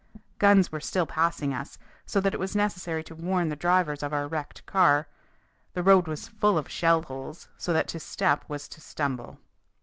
Guns were still passing us, so that it was necessary to warn the drivers of our wrecked car. The road was full of shell holes, so that to step was to stumble.